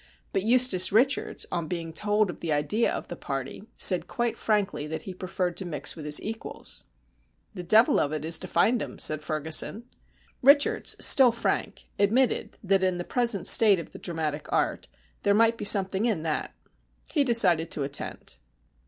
But Eustace Richards, on being told of the idea of the party, said quite frankly that he preferred to mix with his equals. "The devil of it is to find 'em," said Ferguson. Richards, still frank, admitted that in the present state of dramatic art there might be something in that. He decided to attend.